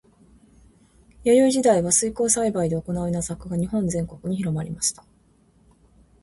弥生時代は水耕栽培で行う稲作が日本全国に広まりました。